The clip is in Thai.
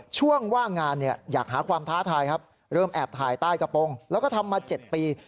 ช่วงว่างงานอยากหาความท้าทายครับเริ่มแอบถ่ายใต้กระโปรงแล้วก็ทำมา๗ปี